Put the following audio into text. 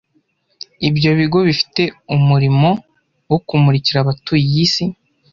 Ibyo bigo bifite umurimo wo kumurikira abatuye iyi si